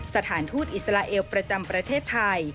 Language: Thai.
สถานทูตอิสราเอลประจำประเทศไทย